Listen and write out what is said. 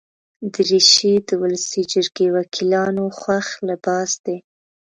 دریشي د ولسي جرګې وکیلانو خوښ لباس دی.